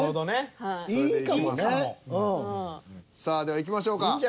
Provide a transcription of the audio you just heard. さあではいきましょうか。